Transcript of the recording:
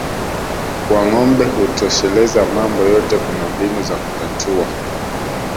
Kwa ngombe hutosheleza mambo yote kuna mbinu za kutatua